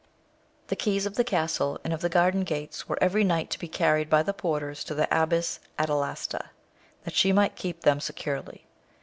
The keys of the castle and of the garden gates were every night to be carried by the porters to the Abbess Adalasta, that she might keep them se curely.